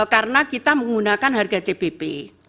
karena kita menggunakan harga cbp